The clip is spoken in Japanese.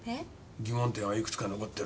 疑問点はいくつか残ってる。